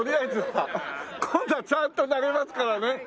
今度はちゃんと投げますからね。